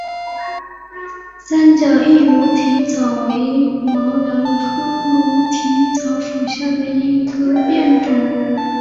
三角叶驴蹄草为毛茛科驴蹄草属下的一个变种。